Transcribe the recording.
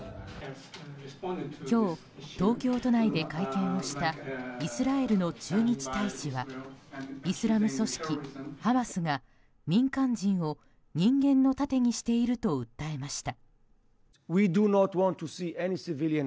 今日、東京都内で会見をしたイスラエルの駐日大使はイスラム組織ハマスが民間人を人間の盾にしていると訴えました。